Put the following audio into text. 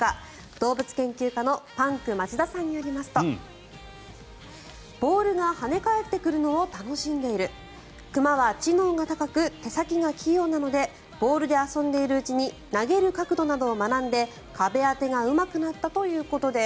動物研究家のパンク町田さんによりますとボールが跳ね返ってくるのを楽しんでいる熊は知能が高く手先が器用なのでボールで遊んでいるうちに投げる角度などを学んで壁当てがうまくなったということです。